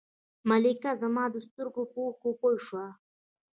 ملکه زما د سترګو په اوښکو پوه شوه.